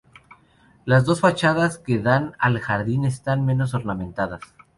Las dos fachadas que dan al jardín están menos ornamentadas.